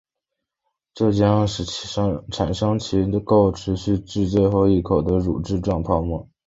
这将产生其能够持续至最后一口的乳脂状泡沫。